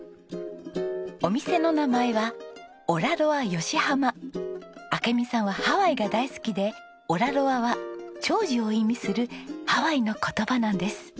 お店の名前は明美さんはハワイが大好きで「オラロア」は長寿を意味するハワイの言葉なんです。